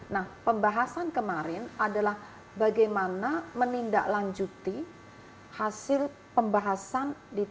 nah pembahasan kemarin adalah bagaimana menindaklanjuti hasil pembahasan ditandai